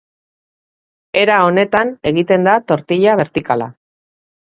Era honetan egiten da tortilla bertikala.